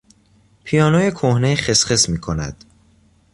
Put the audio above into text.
پیانوی کهنه خسخس میکند.